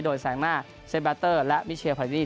โดยแสงหน้าเซ็นแบตเตอร์และมิเชียร์พาลินี่